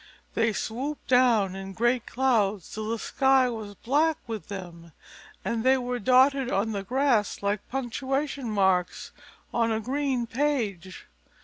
They swooped down in great clouds, till the sky was black with them, and they were dotted on the grass like punctuation marks on a green page.